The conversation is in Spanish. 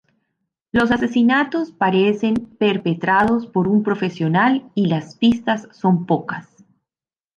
Los asesinatos parecen perpetrados por un profesional y las pistas son pocas.